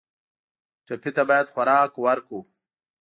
ټپي ته باید خوراک ورکړو.